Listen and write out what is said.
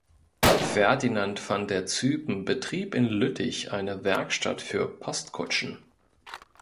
Ferdinand van der Zypen betrieb in Lüttich eine Werkstatt für Postkutschen.